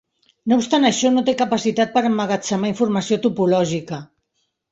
No obstant això no té capacitat per emmagatzemar informació topològica.